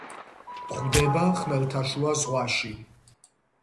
გვხვდება ხმელთაშუა ზღვაში.